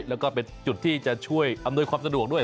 แล้วก็เป็นจุดที่จะช่วยอำนวยความสะดวกด้วย